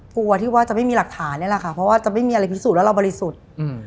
กลัวที่ว่าจะไม่มีหลักฐานนี่แหละค่ะเพราะว่าจะไม่มีอะไรพิสูจนว่าเราบริสุทธิ์อืม